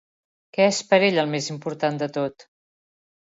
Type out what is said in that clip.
Què és per ell el més important de tot?